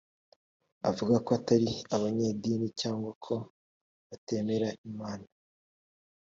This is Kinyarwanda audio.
bavuga ko atari abanyedini cyangwa ko batemera imana